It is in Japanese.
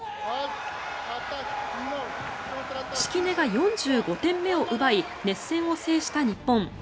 敷根が４５点目を奪い熱戦を制した日本。